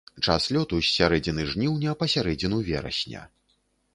Час лёту з сярэдзіны жніўня па сярэдзіну верасня.